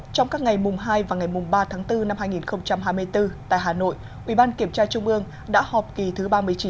trong các ngày mùng hai và ngày mùng ba tháng bốn năm hai nghìn hai mươi bốn tại hà nội ubkt đã họp kỳ thứ ba mươi chín